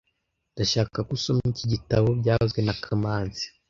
Ndashaka ko usoma iki gitabo byavuzwe na kamanzi